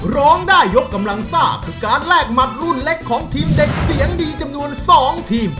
ร้องได้ยกกำลังซ่าคือการแลกหมัดรุ่นเล็กของทีมเด็กเสียงดีจำนวน๒ทีม